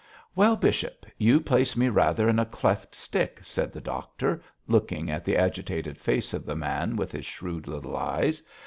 'Well, bishop, you place me rather in a cleft stick,' said the doctor, looking at the agitated face of the man with his shrewd little eyes.